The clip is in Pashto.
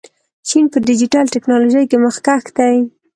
چین په ډیجیټل تکنالوژۍ کې مخکښ دی.